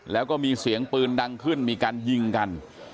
แล้วก็มีเสียงปืนดังขึ้นมีการยิงกัน